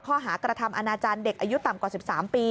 ข้อหากระทำอนาจารย์เด็กอายุต่ำกว่า๑๓ปี